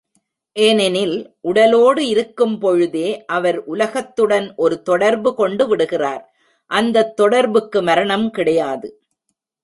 ஏனெனில், உடலோடு இருக்கும் பொழுதே, அவர் உலகத்துடன் ஒரு தொடர்பு கொண்டு விடுகிறார் அந்தத் தொடர்புக்கு மரணம் கிடையாது.